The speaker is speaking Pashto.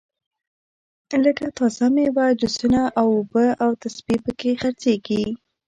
لږه تازه میوه جوسونه اوبه او تسبې په کې خرڅېږي.